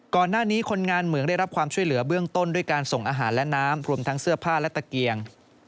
ก่อนหน้านี้คนงานเหมืองได้รับความช่วยเหลือเบื้องต้นด้วยการส่งอาหารและน้ำรวมทั้งเสื้อผ้าและตะเกียง